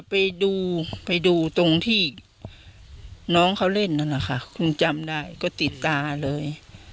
ไปดูไปดูตรงที่น้องเขาเล่นนั่นแหละค่ะคงจำได้ก็ติดตาเลย